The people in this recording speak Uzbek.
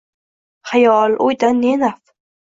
Xayol, o’ydan ne naf